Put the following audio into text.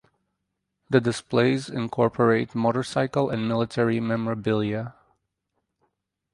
The displays incorporate motorcycle and military memorabilia.